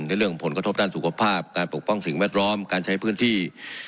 ในเรื่องผลกระทบด้านสุขภาพการปกป้องสิ่งแวดล้อมการใช้พื้นที่